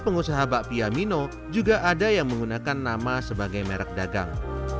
dan pengusaha bakpia mino juga ada yang menggunakan nama sebagai merk dagang